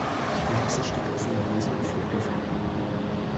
Die Hexe stieg auf ihren Besen und flog davon.